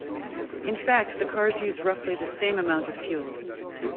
In fact the cars use roughly the same amount of fuel.